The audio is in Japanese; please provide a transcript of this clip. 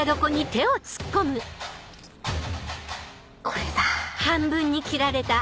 これだ。